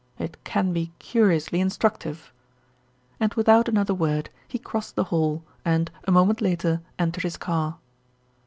"It can be curiously instructive," and without another word he crossed the hall and, a moment later, entered his car.